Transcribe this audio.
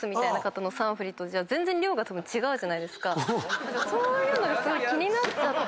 何かそういうのがすごい気になっちゃって。